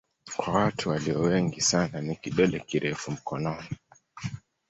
Kwa watu walio wengi sana ni kidole kirefu mkononi.